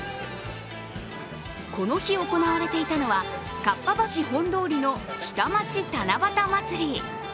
この日、行われていたのはかっぱ橋本通りの下町七夕まつり。